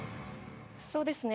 そうですね。